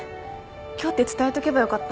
今日って伝えとけばよかった。